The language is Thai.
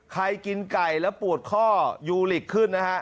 กินไก่แล้วปวดข้อยูลิกขึ้นนะฮะ